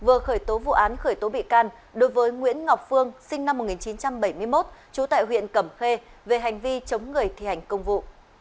cơ quan cảnh sát điều tra công an huyện cẩm khê tỉnh phú thọ vừa khởi tố bị can đối với nguyễn ngọc phương sinh năm một nghìn chín trăm bảy mươi một trú tại huyện cẩm khê về hành vi chống người thi hành công vụ